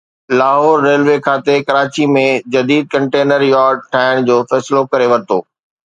Lahore railway کاتي ڪراچي ۾ جديد container yard ٺاهڻ جو فيصلو ڪري ورتو